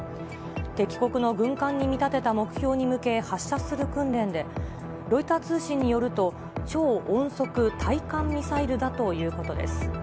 敵国の軍艦に見立てた目標に向け発射する訓練で、ロイター通信によると、超音速対艦ミサイルだということです。